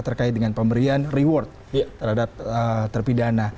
terkait dengan pemberian reward terhadap terpidana